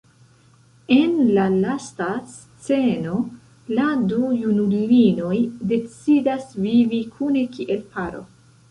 En la lasta sceno la du junulinoj decidas vivi kune kiel paro.